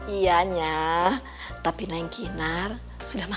ianya tapi nankinar sudah makan